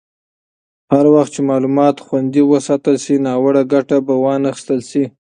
هر وخت چې معلومات خوندي وساتل شي، ناوړه ګټه به وانخیستل شي.